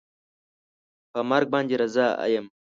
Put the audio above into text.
په مرګ باندې رضا یم